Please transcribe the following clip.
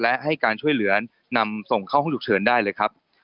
และให้การช่วยเหลือนำส่งเข้าห้องฉุกเฉินได้เลยครับ